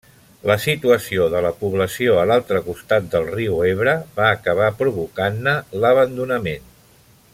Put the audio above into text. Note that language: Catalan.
La situació de la població a l'altre costat del riu Ebre va acabar provocant-ne l'abandonament.